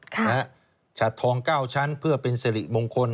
ค่ะชัดทอง๙ชั้นเพื่อเป็นเสรีบงคล